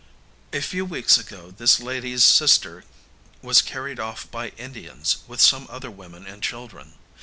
A few weeks ago this lady's sister was carried off by Indians, with some other women and children.